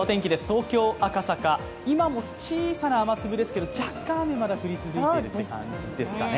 東京・赤坂、今も小さな雨粒ですけれども、若干雨、まだ降り続いているという感じですかね。